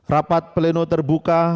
rapat pleno terbuka